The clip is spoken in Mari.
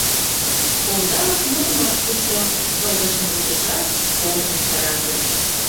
Овда вашмутым ыш вучо, кылдышым рудышат, оҥжым чараҥдыш.